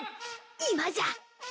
今じゃ！